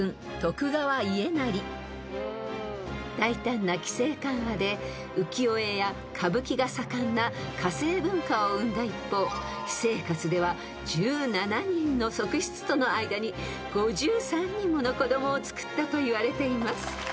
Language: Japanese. ［大胆な規制緩和で浮世絵や歌舞伎が盛んな化政文化を生んだ一方私生活では１７人の側室との間に５３人もの子供をつくったといわれています］